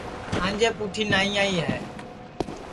انجے پُٹھی نائی آئی ہے